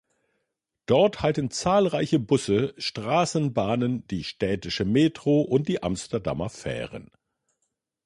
Dort halten zahlreiche Busse, Straßenbahnen, die städtische Metro und die Amsterdamer Fähren.